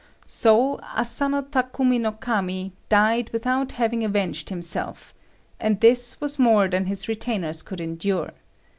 So Asano Takumi no Kami died without having avenged himself, and this was more than his retainers could endure.